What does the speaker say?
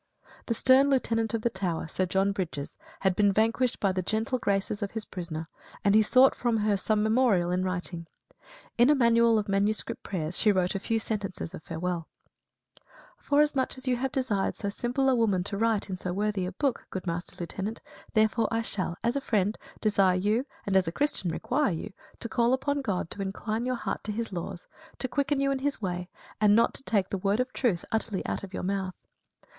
The stern Lieutenant of the Tower, Sir John Brydges, had been vanquished by the gentle graces of his prisoner and he sought from her some memorial in writing. In a manual of manuscript prayers she wrote a few sentences of farewell: Forasmuch as you have desired so simple a woman to write in so worthy a book, good Master Lieutenant, therefore I shall, as a friend, desire you, and as a Christian require you, to call upon God to incline your heart to His laws, to quicken you in His way, and not to take the word of truth utterly out of your mouth.